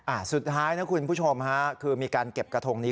อ่าสุดท้ายนะคุณผู้ชมฮะคือมีการเก็บกระทงนี้